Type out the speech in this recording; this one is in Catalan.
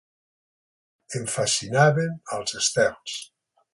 Em fascinaven els estels.